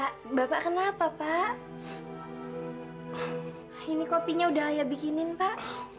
bapak kenapa pak ini kopinya udah ayah bikinin pak